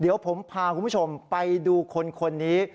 เดี๋ยวผมพาคุณผู้ชมไปดูคนนี้